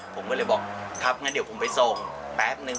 ผมก็เลยบอกครับงั้นเดี๋ยวผมไปส่งแป๊บนึง